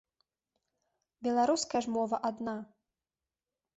Беларуская ж мова адна.